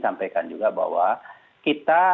sampaikan juga bahwa kita